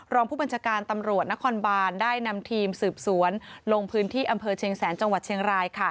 ลองผู้บรรจาการตำรวจนาคมบานได้นำทีมสืบสวนลงพื้นที่อเชียงแซนจเชียงราย